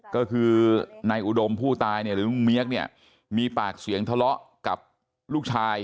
ก็คือนายอุดมผู้ตายเนี่ยหรือลุงเมียกเนี่ยมีปากเสียงทะเลาะกับลูกชาย